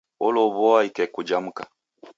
Olow'oa ikeku ja mka.